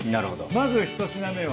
まず１品目は。